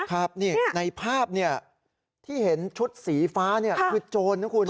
ครับนี่ในภาพที่เห็นชุดสีฟ้าคือโจรนะคุณ